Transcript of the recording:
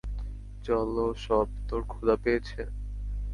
চল সব, তোর ক্ষুধা পেয়েছে?